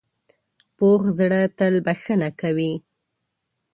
پوخ زړه تل بښنه کوي